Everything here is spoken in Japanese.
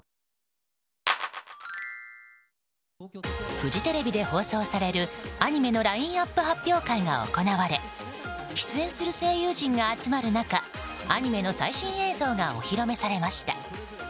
フジテレビで放送されるアニメのラインアップ発表会が行われ出演する声優陣が集まる中アニメの最新映像がお披露目されました。